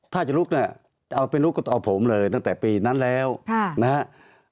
ถ้าจะลุกเนี่ยจะเอาไปลุกต่อผมเลยตั้งแต่ปีนั้นแล้วนะครับ